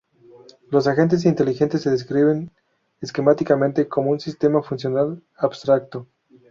Los agentes inteligentes se describen esquemáticamente como un sistema funcional abstracto.